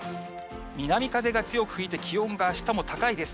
南風が強く吹いて、気温があしたも高いです。